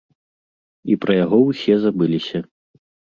І пра яго ўсе забыліся.